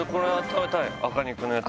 赤肉のやつ